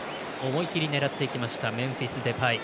思い切り狙っていきましたメンフィス・デパイ。